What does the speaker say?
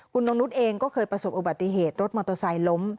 คุณนงนุษย์เองก็เคยประสบอุบัติเหตุรถมอเตอร์ไซค์ล้ม